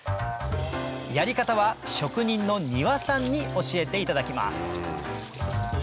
やり方は職人の丹羽さんに教えていただきます